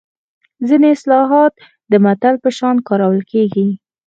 ځینې اصطلاحات د متل په شان کارول کیږي